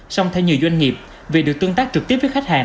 song thay nhiều doanh nghiệp vì được tương tác trực tiếp với khách hàng